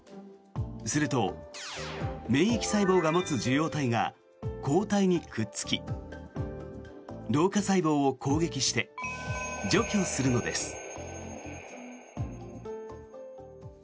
すると、免疫細胞が持つ受容体が抗体にくっつき老化細胞を攻撃して除去するのです。